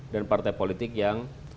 dan partai politik yang